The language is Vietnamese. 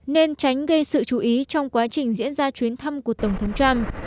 nên tránh gây sự chú ý trong quá trình diễn ra chuyến thăm của tổng thống trump